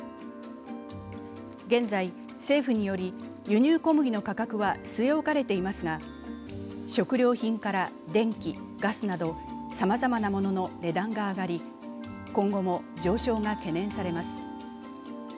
現在、政府により輸入小麦の価格は据え置かれていますが、食料品から電気、ガスなどさまざまなものの値段が上がり今後も上昇が懸念されます。